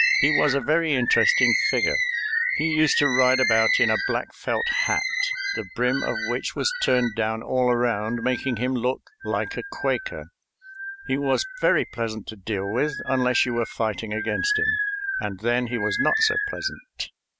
He was a very interesting figure. He used to ride about in a black felt hat, the brim of which was turned down all around, making him look like a Quaker. He was very pleasant to deal with, unless you were fighting against him, and then he was not so pleasant.